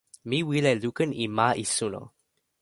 mi wile lukin e ma e suno.